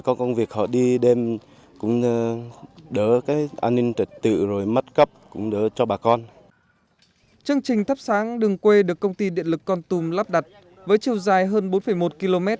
chương trình thắp sáng đường quê được công ty điện lực con tum lắp đặt với chiều dài hơn bốn một km